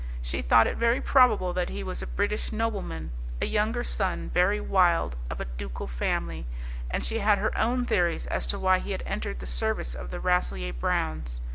She thought it very probable that he was a British nobleman, a younger son, very wild, of a ducal family; and she had her own theories as to why he had entered the service of the Rasselyer Browns.